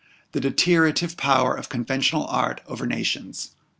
THE DETERIORATIVE POWER OF CONVENTIONAL ART OVER NATIONS.